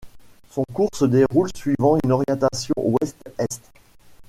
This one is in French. Son cours se déroule suivant une orientation ouest-est.